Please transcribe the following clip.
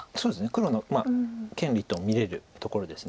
黒の権利と見れるところです。